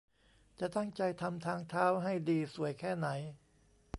จะตั้งใจทำทางเท้าให้ดีสวยแค่ไหน